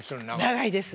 長いです。